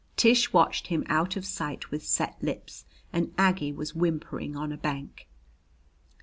Tish watched him out of sight with set lips and Aggie was whimpering on a bank.